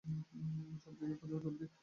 সব জায়গা খোঁজো, জলদি।